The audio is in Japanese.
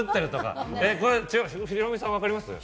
ヒロミさんわかります？